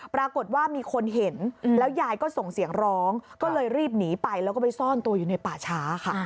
ปรากฏว่ามีคนเห็นแล้วยายก็ส่งเสียงร้องก็เลยรีบหนีไปแล้วก็ไปซ่อนตัวอยู่ในป่าช้าค่ะ